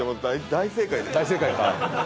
大正解か。